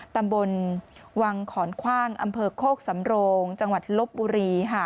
ตำบลวังขอนคว่างอำเภอโคกสำโรงจังหวัดลบบุรี